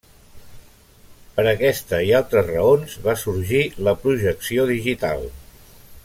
Per aquesta i altres raons va sorgir la projecció digital.